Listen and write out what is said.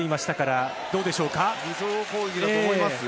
偽装攻撃だと思いますよ